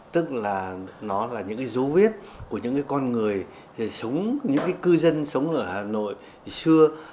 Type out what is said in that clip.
tức là nó là những dấu viết của những con người những cư dân sống ở hà nội xưa